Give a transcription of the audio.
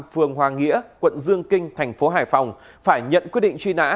phường hoàng nghĩa quận dương kinh tp hải phòng phải nhận quyết định truy nã